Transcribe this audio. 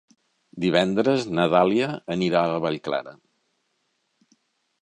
Divendres na Dàlia anirà a Vallclara.